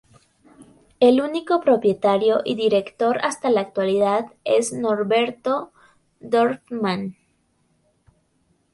El único propietario y director hasta la actualidad es Norberto Dorfman.